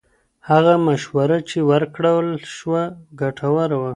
هغه مشوره چې ورکړل شوه، ګټوره وه.